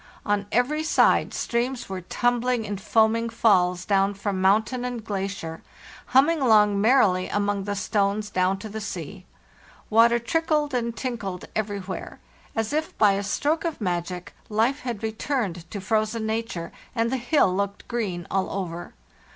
On every side streams were tumbling in foaming falls down from moun tain and glacier, humming along merrily among the stones down to the sea. Water trickled and tinkled everywhere; as if by a stroke of magic, life had returned to frozen nature, and the hill looked green all over.